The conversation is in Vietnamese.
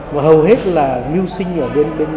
và hầu hết là mưu sinh ở bên